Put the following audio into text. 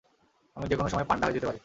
আমি যেকোনো সময় পান্ডা হয়ে যেতে পারি।